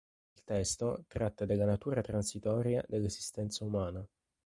Il testo tratta della natura transitoria dell'esistenza umana.